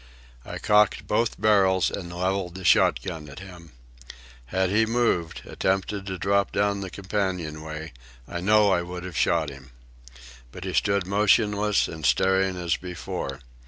I cocked both barrels and levelled the shot gun at him. Had he moved, attempted to drop down the companion way, I know I would have shot him. But he stood motionless and staring as before.